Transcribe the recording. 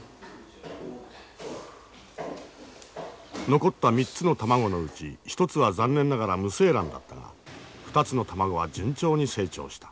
残った３つの卵のうち１つは残念ながら無精卵だったが２つの卵は順調に成長した。